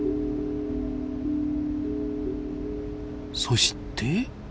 そして。